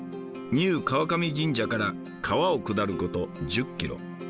丹生川上神社から川を下ること１０キロ。